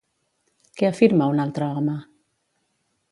Què afirma, un altre home?